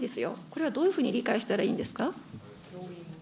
これはどういうふうに理解したらいいんですか。